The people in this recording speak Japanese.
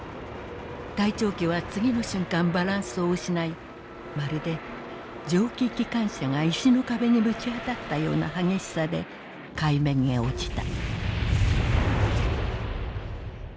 隊長機はつぎの瞬間バランスを失いまるで蒸気機関車が石の壁にぶちあたったような激しさで海面へ落ちた」。